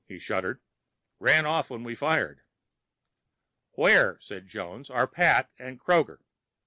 He shuddered. "Ran off when we fired." "Where," said Jones, "are Pat and Kroger?"